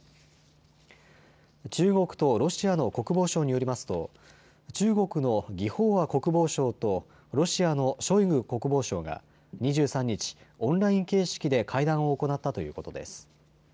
中国とロシアの国防省によりますと中国の魏鳳和国防相とロシアのショイグ国防相が２３日、オンライン形式で会談を行ったということです。